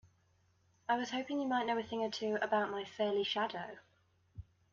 I was hoping you might know a thing or two about my surly shadow?